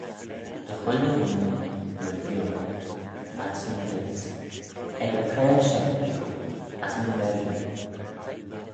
Dy chooilley ghooinney, ny bio, adsyn vees ec y traa shen bio, as ny merriu.